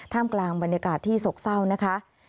กลางบรรยากาศที่โศกเศร้านะคะ